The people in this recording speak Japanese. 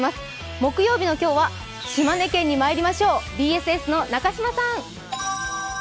木曜日の今日は島根県にまいりましょう、ＢＳＳの中島さん。